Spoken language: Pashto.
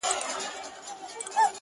o څه به وسي دا یوه که پکښي زما سي,